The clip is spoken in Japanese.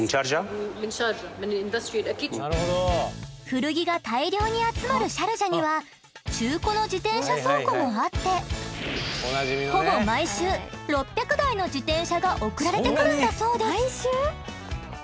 古着が大量に集まるシャルジャには中古の自転車倉庫もあってほぼ毎週６００台の自転車が送られてくるんだそうです。